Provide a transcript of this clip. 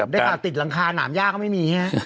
ได้ข่าวติดหลังคาหนามย่าก็ไม่มี